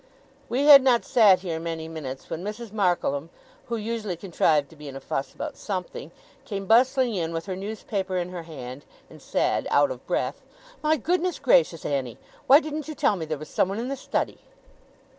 We had not sat here many minutes, when Mrs. Markleham, who usually contrived to be in a fuss about something, came bustling in, with her newspaper in her hand, and said, out of breath, 'My goodness gracious, Annie, why didn't you tell me there was someone in the Study!